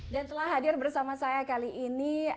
dan telah hadir bersama saya kali ini